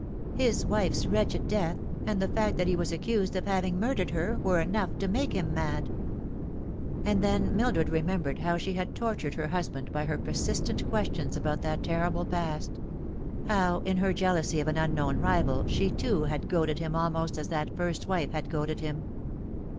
"His wife's wretcbed death, and the fact that he was ac cused of having murdered her, were enough to make him mad." And then Mildred remembered how she had tortured he* husband by her persistent questions about that terrible past ; how, in her jealousy of an unknown rival, she, too, had goaded him almost as that first wife had goaded him.